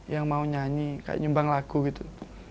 yang mau nyanyi kayak nyumbang lagu gitu